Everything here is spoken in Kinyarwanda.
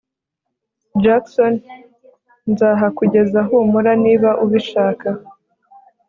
Jackson nzahakugeza humura niba ubishaka